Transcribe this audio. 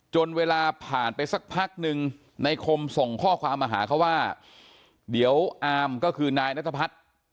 เวลาผ่านไปสักพักนึงในคมส่งข้อความมาหาเขาว่าเดี๋ยวอามก็คือนายนัทพัฒน์